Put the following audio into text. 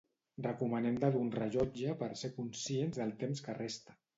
Recomanen de dur un rellotge per ser conscients del temps que resta.